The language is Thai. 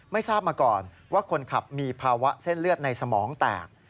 ไม่ทราบมาก่อนว่าคนขับมีภาวะเส้นเลือดในสมองแตก